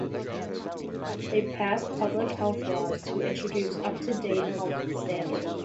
They passed public health laws to introduce up-to-date health standards.